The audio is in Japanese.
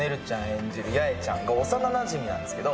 演じる八重ちゃんが幼なじみなんですけど。